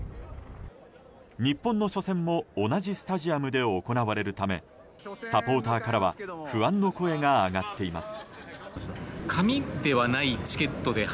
日本の初戦も同じスタジアムで行われるためサポーターからは不安の声が上がっています。